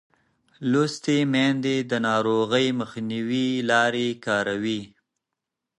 لوستې میندې د ناروغۍ مخنیوي لارې کاروي.